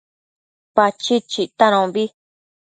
Pachid chictanombi